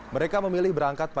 mereka memilih berangkat